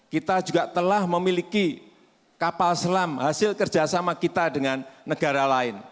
kita juga telah memiliki kapal selam hasil kerjasama kita dengan negara lain